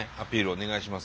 お願いします。